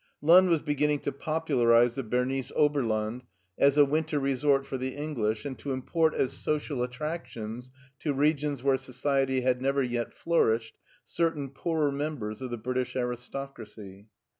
Lunn was beginning to popularize the Ber nese Oberland as a winter resort for the English and to import as social attractions, to regions where society had never yet flourished, certain poorer members of the British aristocracy.